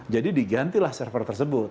jadi digantilah server tersebut